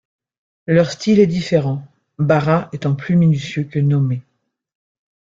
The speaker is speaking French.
Leur style est différent, Barra étant plus minutieux, que Nomé.